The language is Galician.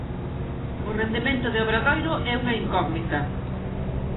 O rendemento de Obradoiro é unha incógnita.